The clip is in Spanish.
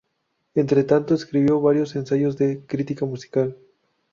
Entre tanto, escribió varios ensayos de crítica musical.